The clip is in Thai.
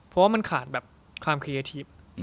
เพราะว่ามันขาดความครีเอทีฟ